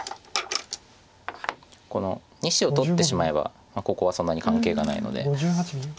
この２子を取ってしまえばここはそんなに関係がないので。